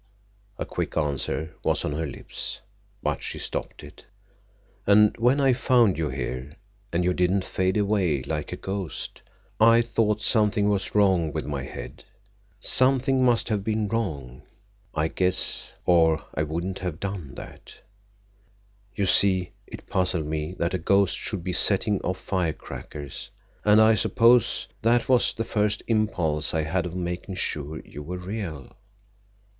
A quick answer was on her lips, but she stopped it. "And when I found you here, and you didn't fade away like a ghost, I thought something was wrong with my head. Something must have been wrong, I guess, or I wouldn't have done that. You see, it puzzled me that a ghost should be setting off firecrackers—and I suppose that was the first impulse I had of making sure you were real."